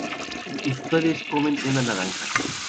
ustedes comen una naranja